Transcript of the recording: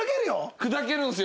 砕けるんすよ